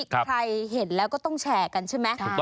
ใครเห็นแล้วก็ต้องแชร์กันใช่ไหม